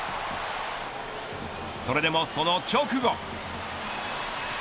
それでもその直後。